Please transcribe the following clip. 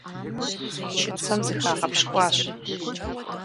Чыцэм зыхагъэпщкӀуащ.